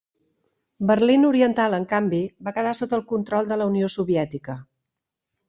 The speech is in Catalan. Berlín Oriental, en canvi, va quedar sota el control de la Unió Soviètica.